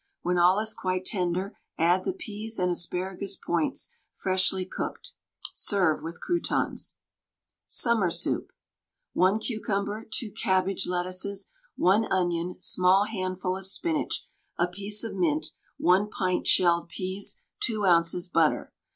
When all is quite tender add the peas and asparagus points, freshly cooked; serve with croutons. SUMMER SOUP. 1 cucumber, 2 cabbage lettuces, 1 onion, small handful of spinach, a piece of mint, 1 pint shelled peas, 2 oz. butter.